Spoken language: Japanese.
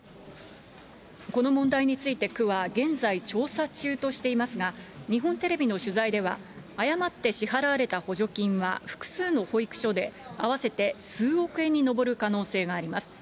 この問題について、区は現在調査中としていますが、日本テレビの取材では、誤って支払われた補助金は、複数の保育所で合わせて数億円に上る可能性があります。